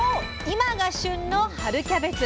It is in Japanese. いまが旬の「春キャベツ」！